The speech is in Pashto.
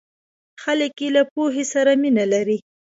خلک یې له پوهې سره مینه لري.